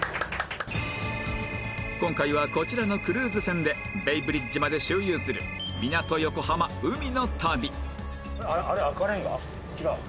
今回はこちらのクルーズ船でベイブリッジまで周遊するみなと横浜海の旅あれ赤レンガ？違う？